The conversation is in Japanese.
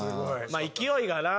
まあ勢いがな。